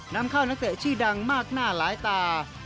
นำเข้านักเตะชื่อดังมากหน้าหลายตา